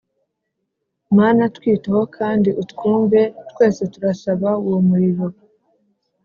Mana twiteho kandi utwumve Twese turasaba uwo muriro